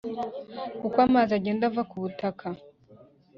kuko amazi agenda ava kubutaka.